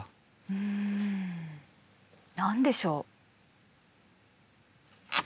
うん何でしょう？